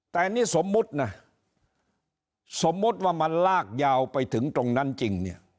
แต่นี่สมมุตินะสมมุติว่ามันลากยาวไปถึงตรงนั้นจริงเนี่ย